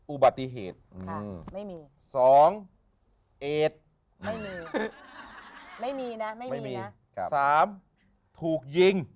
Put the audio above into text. ๑อุบัติเหตุ๒เอจ๓ถูกยิง